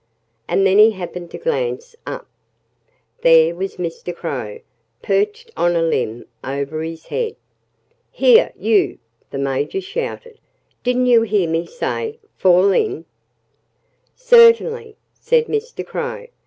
And then he happened to glance up. There was Mr. Crow, perched on a limb over his head. "Here, you!" the Major shouted. "Didn't you hear me say 'Fall in?'" "Certainly!" said Mr. Crow.